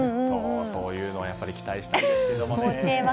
そういうのを期待したいですね。